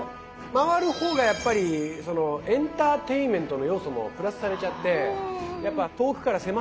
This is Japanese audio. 回る方がやっぱりそのエンターテインメントの要素もプラスされちゃってやっぱ遠くから迫ってくるすし。